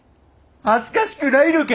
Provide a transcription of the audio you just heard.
恥ずかしくないのか！